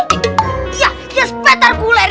iya yang spektakuler